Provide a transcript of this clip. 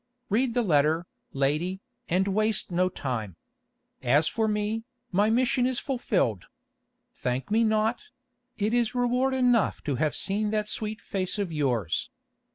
Read the letter, lady, and waste no time. As for me, my mission is fulfilled. Thank me not; it is reward enough to have seen that sweet face of yours.